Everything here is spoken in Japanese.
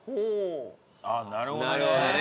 ああなるほどね。